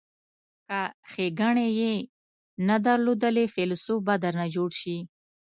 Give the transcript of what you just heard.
که ښیګڼې یې نه درلودلې فیلسوف به درنه جوړ شي.